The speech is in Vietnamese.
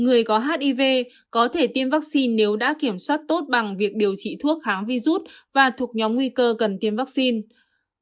người có hiv có thể tiêm vaccine nếu đã kiểm soát tốt bằng việc điều trị thuốc kháng virus và thuộc nhóm nguy cơ cần tiêm vaccine